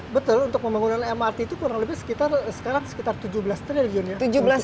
betul untuk pembangunan mrt itu kurang lebih sekitar tujuh belas triliun